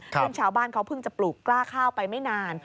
ซึ่งชาวบ้านเขาเพิ่งจะปลูกกล้าข้าวไปไม่นาน